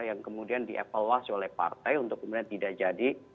yang kemudian dievaluasi oleh partai untuk kemudian tidak jadi